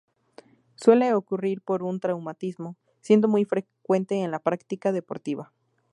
Suele ocurrir por un traumatismo, siendo muy frecuente en la práctica deportiva.